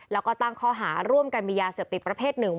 แล้วก็ตั้งข้อหาร่วมกันมียาเสพติดประเภทหนึ่ง